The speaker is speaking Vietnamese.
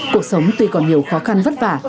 cuộc sống tuy có nhiều khó khăn vất vả